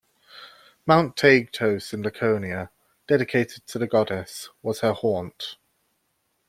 Mount Taygetos in Laconia, dedicated to the goddess, was her haunt.